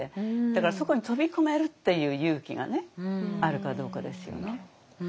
だからそこに飛び込めるっていう勇気があるかどうかですよね。